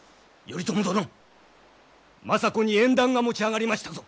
頼朝殿政子に縁談が持ち上がりましたぞ！